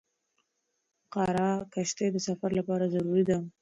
قرعه کشي د سفر لپاره ضروري ده.